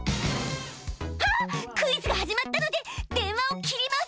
「あっクイズが始まったので電話を切ります！」。